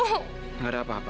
nggak ada apa apa